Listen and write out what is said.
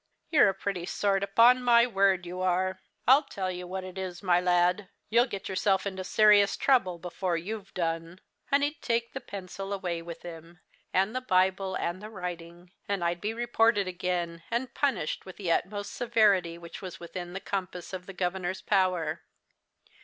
You're a pretty sort, upon my word you are. I tell you what it is, my lad, you'll get yourself into serious trouble before you've done.' "And he'd take the pencil away with him, and the Bible, and the writing; and I'd be reported again, and punished with the utmost severity which was within the compass of the Governor's power."